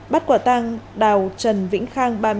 bắt quả tăng đào trần vĩnh khang